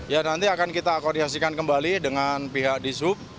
ya nanti akan kita koordinasikan kembali dengan pihak disub